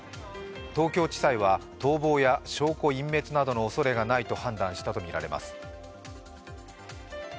東京地裁は逃亡や証拠隠滅などのおそれがないと判断したとみられます。